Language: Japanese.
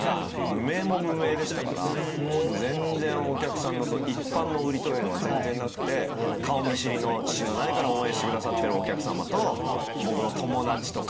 無名も無名でしたから全然お客さんの一般の売りというのが全然なくて顔見知りの父の代から応援してくださってるお客様と僕の友達と家族。